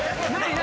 何？